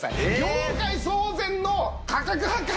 「業界騒然の価格破壊！」